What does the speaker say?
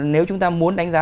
nếu chúng ta muốn đánh giá